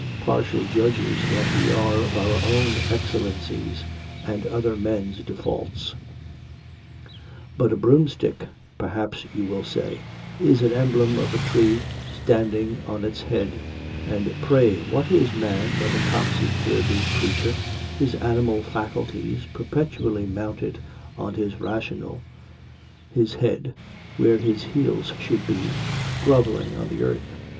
Partial judges that we are of our own excellencies, and other men's defaults! But a broomstick, perhaps you will say, is an emblem of a tree standing on its head; and pray what is man but a topsy turvy creature, his animal faculties perpetually mounted on his rational, his head where his heels should be, groveling on the earth!